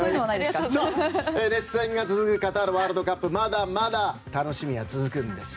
熱戦が続くカタールワールドカップまだまだ楽しみは続くんです。